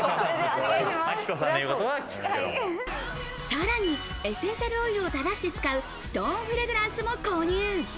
さらにエッセンシャルオイルを垂らして使うストーンフレグランスも購入。